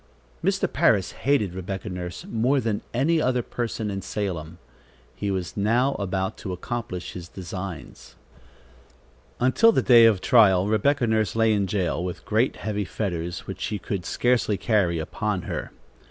Mr. Parris hated Rebecca Nurse more than any other person in Salem. He was now about to accomplish his designs. Until the day of trial, Rebecca Nurse lay in jail, with great, heavy fetters, which she could scarcely carry, upon her.